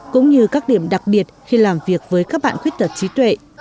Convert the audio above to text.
cũng như các điểm đặc biệt khi làm việc với các bạn khuyết tật trí tuệ